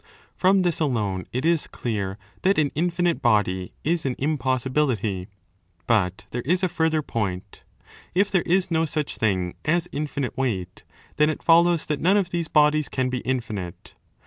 From this alone it is clear that an infinite body is an impossibility ; but there is a further point. If there is no | such thing as infinite weight, then it follows that none of these bodies can be infinite.